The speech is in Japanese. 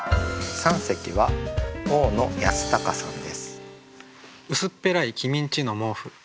三席は大野恭敬さんです。